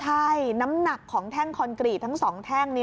ใช่น้ำหนักของแท่งคอนกรีตทั้ง๒แท่งนี้